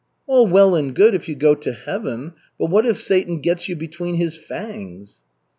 "All well and good if you go to Heaven, but what if Satan gets you between his fangs?"